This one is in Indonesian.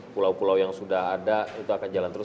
pulau pulau yang sudah ada itu akan jalan terus